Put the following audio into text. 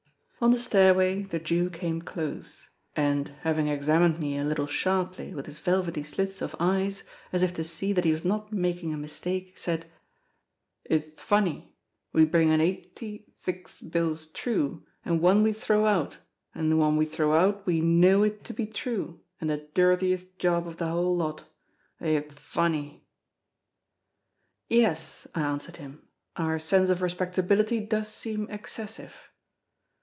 On the stairway the Jew came close, and, having examined me a little sharply with his velvety slits of eyes, as if to see that he was not making a mistake, said: "Ith fonny—we bring in eighty thix bills true, and one we throw out, and the one we throw out we know it to be true, and the dirtieth job of the whole lot. Ith fonny!" "Yes," I answered him, "our sense of respectability does seem excessive."